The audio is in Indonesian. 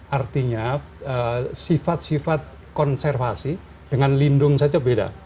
artinya sifat sifat konservasi dengan lindung saja beda